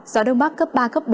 gió đông bắc cấp ba bốn trời rét